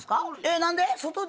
何で？